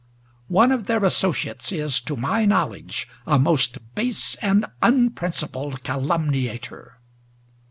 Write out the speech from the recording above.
One of their associates is, to my knowledge, a most base and unprincipled calumniator.